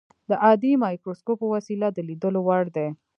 د عادي مایکروسکوپ په وسیله د لیدلو وړ دي.